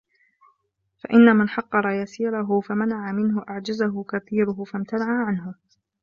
فَإِنَّ مَنْ حَقَّرَ يَسِيرَهُ فَمَنَعَ مِنْهُ أَعْجَزَهُ كَثِيرُهُ فَامْتَنَعَ عَنْهُ